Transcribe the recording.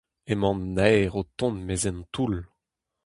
Emañ an naer o tont e-maez an toull.